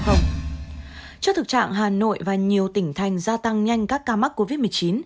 trước thực trạng hà nội và nhiều tỉnh thành gia tăng nhanh các ca mắc covid một mươi chín